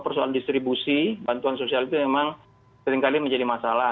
persoalan distribusi bantuan sosial itu memang seringkali menjadi masalah